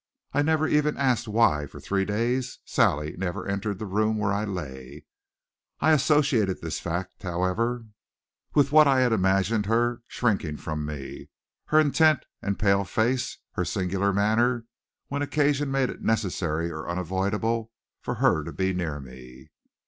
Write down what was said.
I never even asked why, for three days, Sally never entered the room where I lay. I associated this fact, however, with what I had imagined her shrinking from me, her intent and pale face, her singular manner when occasion made it necessary or unavoidable for her to be near me.